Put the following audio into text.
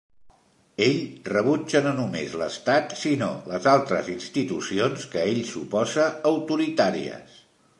Ell rebutja no només l'Estat, sinó les altres institucions que ell suposa autoritàries.